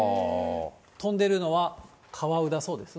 飛んでるのは、カワウだそうです